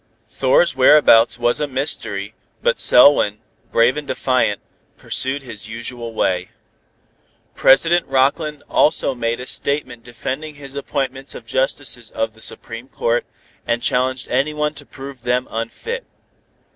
Thor's whereabouts was a mystery, but Selwyn, brave and defiant, pursued his usual way. President Rockland also made a statement defending his appointments of Justices of the Supreme Court, and challenged anyone to prove them unfit.